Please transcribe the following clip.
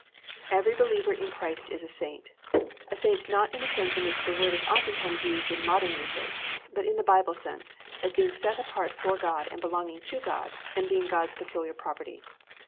Every believer in Christ is a saint, a saint not in the sense in which that word is oftentimes used in modern usage, but in the Bible sense, as being set apart for God and belonging to God and being God's peculiar property.